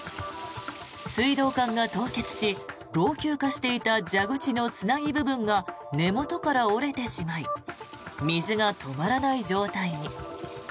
水道管が凍結し老朽化していた蛇口のつなぎ部分が根元から折れてしまい水が止まらない状態に。